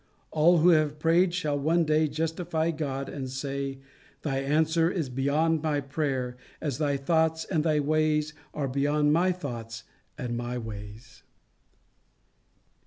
All who have prayed shall one day justify God and say Thy answer is beyond my prayer, as thy thoughts and thy ways are beyond my thoughts and my ways.